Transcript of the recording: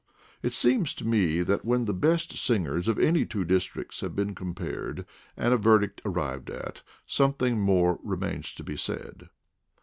It seems to me that when the best singers of any two districts have been compared and a verdict ar rived at, something more remains to be said.